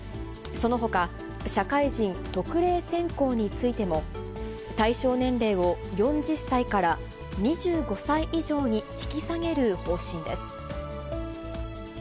そのほか、社会人特例選考についても、対象年齢を４０歳から２５歳以上に引き下げる方針です。